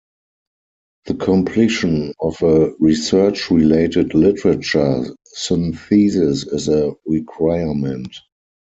The completion of a research-related literature synthesis is a requirement.